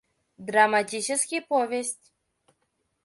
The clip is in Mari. Драматический повесть